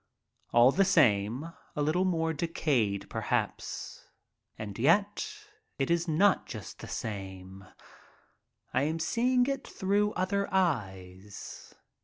All the same, a little more decayed, perhaps. And yet it is not just the same. I am seeing it through other eyes.